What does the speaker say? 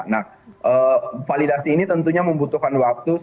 nah validasi ini tentunya membutuhkan waktu